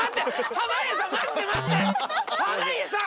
濱家さん